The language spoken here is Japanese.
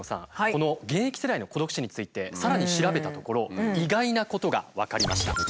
この現役世代の孤独死についてさらに調べたところ意外なことが分かりました。